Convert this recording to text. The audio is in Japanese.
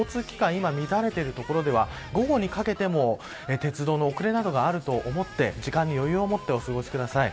今、乱れている所では午後にかけても、鉄道の遅れなどがあると思って時間に余裕をもってお過ごしください。